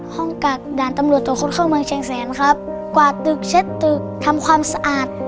กักด่านตำรวจตรวจคนเข้าเมืองเชียงแสนครับกวาดตึกเช็ดตึกทำความสะอาด